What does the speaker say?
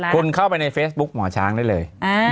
คุณเข้าไปในเฟซบุ๊คหมอช้างได้เลย